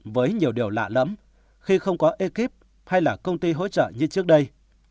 với nhiều điều lạ lẫm khi không có ekip hay là công ty hỗ trợ như trước đây